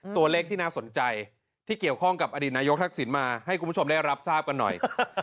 ตัวเลขที่น่าสนใจที่เกี่ยวข้องกับอดีตนายกทักษิณมาให้คุณผู้ชมได้รับทราบกันหน่อย